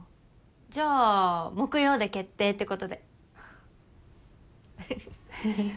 じゃあ木曜で決定ってことで。